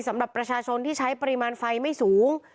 สำหรับประชาชนที่ใช้ปริมาณไฟไม่สูง